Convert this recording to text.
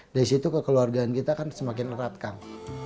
dari situ kekeluargaan kita kan semakin erat kang